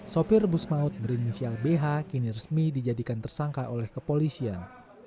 sopir bus maut berinisial bh kini resmi dijadikan tersangka oleh kepolisian